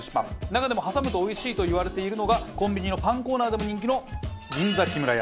中でも挟むとおいしいと言われているのがコンビニのパンコーナーでも人気の。